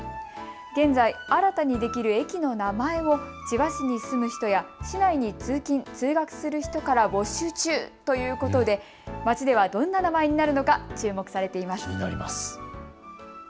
現在、新たにできる駅の名前を千葉市に住む人や市内に通勤通学する人から募集中ということで町ではどんな名前になるのか注目されています。